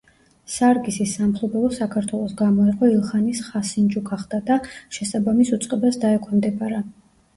სარგისის სამფლობელო საქართველოს გამოეყო ილხანის ხასინჯუ გახდა და შესაბამის უწყებას დაექვემდებარა.